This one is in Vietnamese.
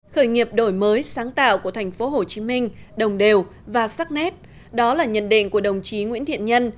khởi nghiệp đổi mới sáng tạo của tp hcm đồng đều và sắc nét đó là nhận định của đồng chí nguyễn thiện nhân